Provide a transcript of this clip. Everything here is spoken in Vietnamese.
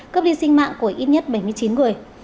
cấp đi sinh mạng của ít nhất bảy mươi chín người